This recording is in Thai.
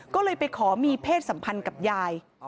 ก็เลยไปขอมีเพศสัมพันธ์กับยาย